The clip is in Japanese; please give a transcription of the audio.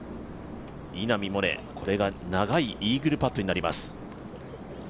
稲見萌寧、これが長いイーグルパットになります。